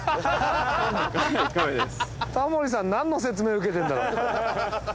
タモリさんなんの説明受けてるんだろう？